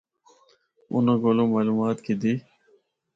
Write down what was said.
اُنّاں کولو معلومات گِدّی۔